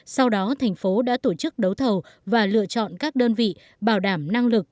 sau đó thành phố đã tổ chức đấu thầu và lựa chọn các đơn vị bảo đảm năng lực